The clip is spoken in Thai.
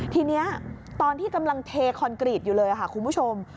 ทีนี้ตอนที่กำลังเทคอนกรีตอยู่เลยค่ะคุณผู้ชม